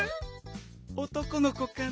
おとこの子かな？